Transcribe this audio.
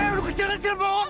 eh lo kecil kecil bohong